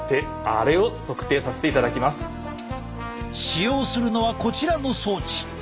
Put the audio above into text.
使用するのはこちらの装置。